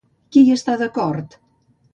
Qui hi està d'acord?